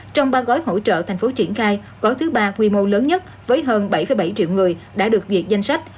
trong ba gói hỗ trợ thành phố triển khai gói thứ ba quy mô lớn nhất với hơn bảy bảy triệu người đã được duyệt danh sách